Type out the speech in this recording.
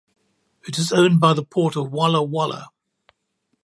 It is owned by the Port of Walla Walla.